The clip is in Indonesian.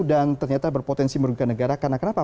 dan ternyata berpotensi merugikan negara karena kenapa